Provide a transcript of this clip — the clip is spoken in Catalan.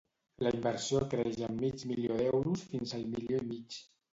La inversió creix en mig milió d'euros fins al milió i mig.